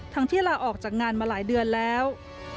ที่ลาออกจากงานมาหลายเดือนแล้ว